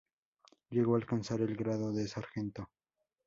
Llegó a alcanzar el grado de sargento.